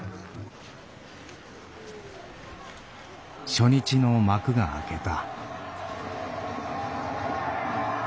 初日の幕が開けた。